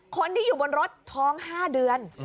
คนที่อยู่บนรถท้อง๕เดือน